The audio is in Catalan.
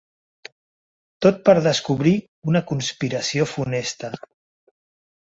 Tot per descobrir una conspiració funesta.